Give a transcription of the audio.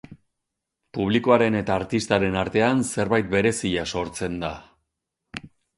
Publikoaren eta artistaren artean zerbait berezia sortzen da.